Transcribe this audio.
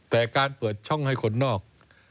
แต่การเปิดช่องให้คนนอก